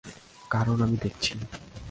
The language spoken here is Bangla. কারণ আমি দেখেছি!